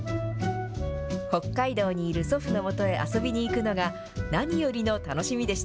北海道にいる祖父のもとへ遊びに行くのが何よりの楽しみでした。